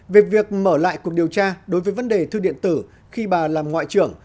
về việc mở lại cuộc điều tra đối với vấn đề thư điện tử khi bà làm ngoại trưởng